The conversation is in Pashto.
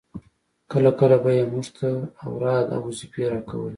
کله کله به يې موږ ته اوراد او وظيفې راکولې.